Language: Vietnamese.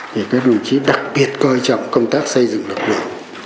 thì các đồng chí đặc biệt coi trọng công tác xây dựng lực lượng